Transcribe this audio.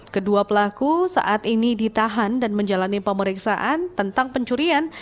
kedua pelaku saat ini ditahan dan menjalani pemeriksaan tentang pencurian